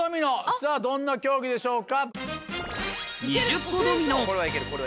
さぁどんな競技でしょうか？